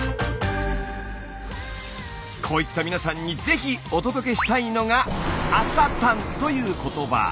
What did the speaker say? こういった皆さんにぜひお届けしたいのが「朝たん」という言葉。